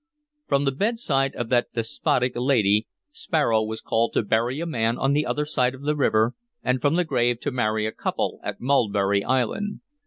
From the bedside of that despotic lady Sparrow was called to bury a man on the other side of the river, and from the grave to marry a couple at Mulberry Island.